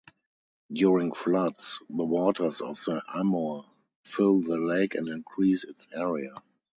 During floods the waters of the Amur fill the lake and increase its area.